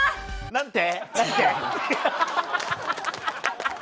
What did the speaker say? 何て？